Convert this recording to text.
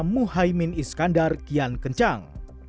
mohaimin iskandar kian kencang